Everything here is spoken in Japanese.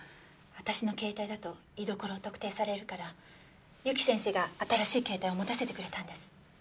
私の携帯だと居所を特定されるからゆき先生が新しい携帯を持たせてくれたんです。